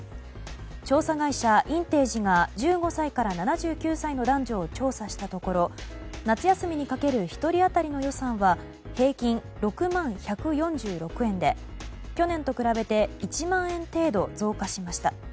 調査会社インテージが１５歳から７９歳の男女を調査したところ夏休みにかける１人当たりの予算は平均６万１４６円で去年と比べて１万円程度増加しました。